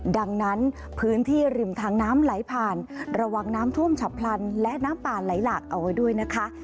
ดังนั้นพื้นที่ริมทางน้ำไหลผ่านระวังน้ำท่วมฉับพลันและน้ำป่าไหลหลากเอาไว้ด้วยนะคะ